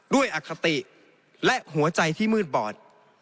อคติและหัวใจที่มืดบอด